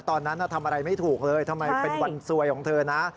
ตอนนั้นทำอะไรไม่ถูกเลยทำไมเป็นวันสวยของเธอนะ